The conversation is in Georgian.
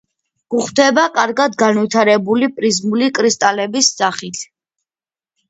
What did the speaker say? გვხვდება კარგად განვითარებული პრიზმული კრისტალების სახით.